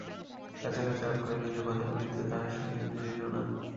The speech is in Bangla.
কাঁচা-কাঁচা অক্ষর, কিন্তু কথাগুলি তো তাহার সঙ্গে মিলিল না।